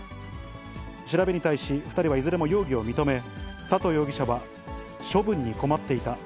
調べに対し、２人はいずれも容疑を認め、佐藤容疑者は、処分に困っていた。